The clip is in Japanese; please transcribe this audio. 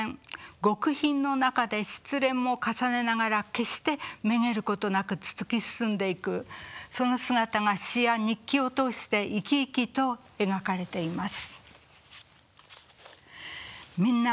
極貧の中で失恋も重ねながら決してめげることなく突き進んでいくその姿が詩や日記を通して生き生きと描かれています。